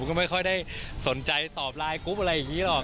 ก็ไม่ค่อยได้สนใจตอบไลน์กรุ๊ปอะไรอย่างนี้หรอก